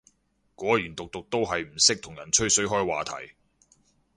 果然毒毒都係唔識同人吹水開話題